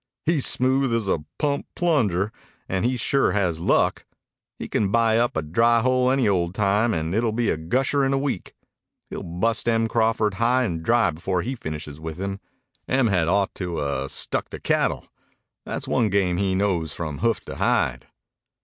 "He's smooth as a pump plunger, and he sure has luck. He can buy up a dry hole any old time and it'll be a gusher in a week. He'll bust Em Crawford high and dry before he finishes with him. Em had ought to 'a' stuck to cattle. That's one game he knows from hoof to hide."